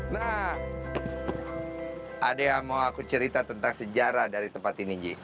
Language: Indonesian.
nah ada yang mau aku cerita tentang sejarah dari tempat ini ji